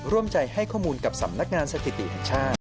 ร่วมใจให้ข้อมูลกับสำนักงานสถิติแห่งชาติ